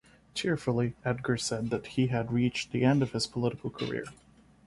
Tearfully, Edgar said that he had reached the end of his political career.